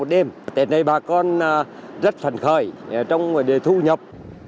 tết này bà con rất phần khởi trong vấn đề thu nhập